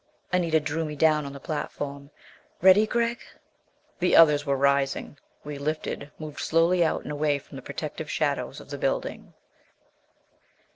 Anita drew me down on the platform. "Ready, Gregg." The others were rising. We lifted, moved slowly out and away from the protective shadows of the building.